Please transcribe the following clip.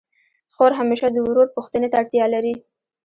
خور همېشه د ورور پوښتني ته اړتیا لري.